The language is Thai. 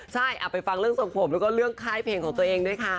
ใช่ไปฟังเรื่องทรงผมแล้วก็เรื่องค่ายเพลงของตัวเองด้วยค่ะ